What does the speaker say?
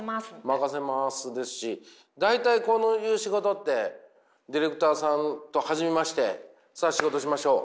任せますですし大体こういう仕事ってディレクターさんと初めましてさあ仕事しましょう